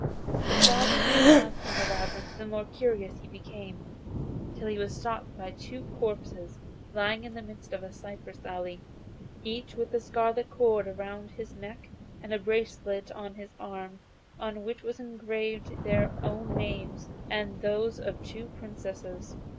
The farther he advanced in the labyrinth the more curious he became, till he was stopped by two corpses lying in the midst of a cypress alley, each with a scarlet cord round his neck and a bracelet on his arm on which were engraved their own names, and those of two Princesses.